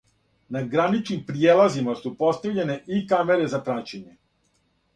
На граничним пријелазима су постављене и камере за праћење.